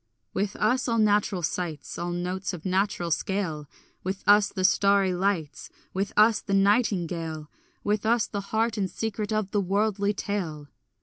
With us all natural sights, All notes of natural scale; With us the starry lights; With us the nightingale; With us the heart and secret of the worldly tale.